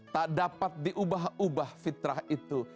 tak dapat diubah ubah fitrah itu